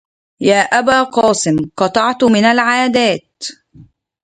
يا أبا قاسم قطعت من العادات